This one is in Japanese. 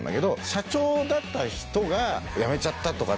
社長だった人が辞めちゃったとか。